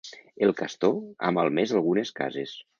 El Castor ha malmès algunes cases